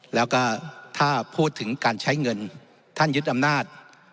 แล้วก็ถ้าพูดถึงการใช้เงินท่านยึดอำนาจ